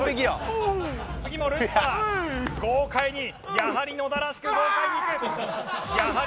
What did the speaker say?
やはり野田らしく豪快にいく。